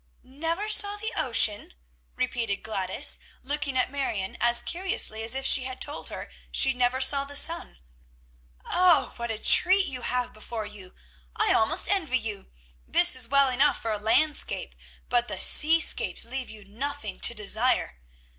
"Never saw the ocean?" repeated Gladys, looking at Marion as curiously as if she had told her she never saw the sun. "Oh, what a treat you have before you! I almost envy you. This is well enough for a landscape, but the seascapes leave you nothing to desire.